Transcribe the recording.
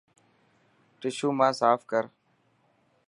ششو مان ساف ڪر.